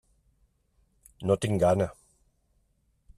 No tinc gana.